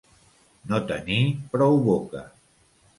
No tenir prou boca.